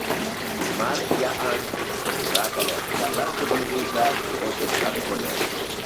Марк-Яан кужурак ыле, садлан тудын вуйжат ончычрак койо.